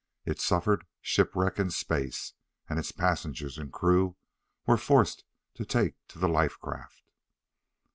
It suffered shipwreck in space, and its passengers and crew were forced to take to the life craft.